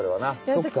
そっか。